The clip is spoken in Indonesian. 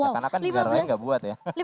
karena kan negara lain nggak buat ya